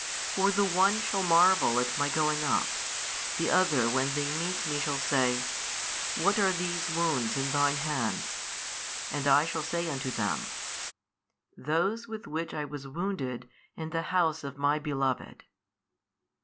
For the one shall marvel at My going up, the other when they meet Me shall say, What are these Wounds in Thine Hands? And I shall say unto them, Those with which I was wounded in the house of My beloved.